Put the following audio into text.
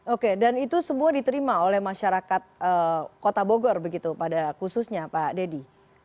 oke dan itu semua diterima oleh masyarakat kota bogor begitu pada khususnya pak dedy